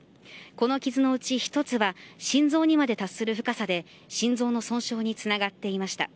この傷のうち１つは心臓にまで達する深さで心臓の損傷につながっていました。